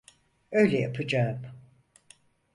Öyle yapacağım.